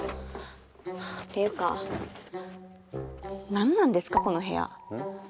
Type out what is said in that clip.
ていうか何なんですかこの部屋。